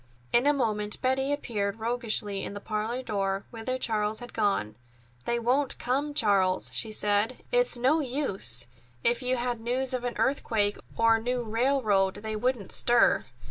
In a moment Betty appeared roguishly in the parlor door, whither Charles had gone. "They won't come, Charles," she said. "It's no use. If you had news of an earthquake or a new railroad, they wouldn't stir.